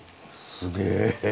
すげえ！